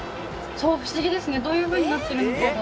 不思議ですねどういうふうになっているのかが。